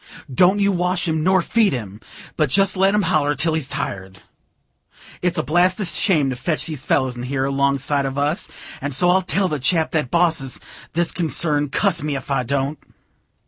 Don't you wash him, nor feed him, but jest let him holler till he's tired. It's a blasted shame to fetch them fellers in here, along side of us; and so I'll tell the chap that bosses this concern; cuss me if I don't."